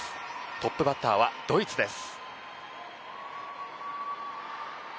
トップバッターはドイツです。